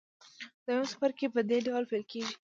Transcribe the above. دویم څپرکی په دې ډول پیل کیږي.